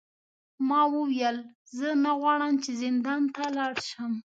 ما وویل زه نه غواړم چې زندان ته لاړ شم.